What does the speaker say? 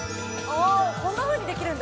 こんなふうにできるんだ。